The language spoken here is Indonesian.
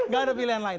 gak ada pilihan lain